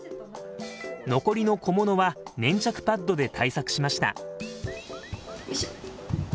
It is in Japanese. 残りの小物は粘着パッドで対策しました。